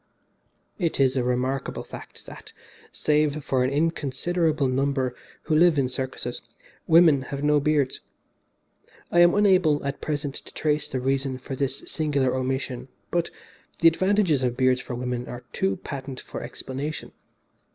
"It is a remarkable fact that, save for an inconsiderable number who live in circuses, women have no beards. I am unable at present to trace the reason for this singular omission, but the advantages of beards for women are too patent for explanation.